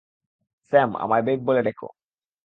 Sam, আমায় babe বলে ডেকো।